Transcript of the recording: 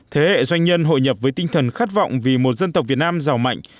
thế hệ doanh nhân hội nhập với tinh thần khát vọng vì một dân tộc việt nam giàu mạnh